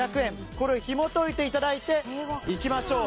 これをひも解いていただいていきましょう。